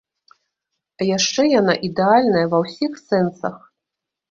А яшчэ яна ідэальная ва ўсіх сэнсах.